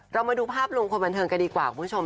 เรามาดูภาพรวมคนบันเทิงกันดีกว่าคุณผู้ชม